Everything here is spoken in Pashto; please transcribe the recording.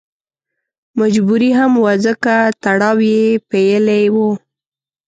مجبوري هم وه ځکه تړاو یې پېیلی و.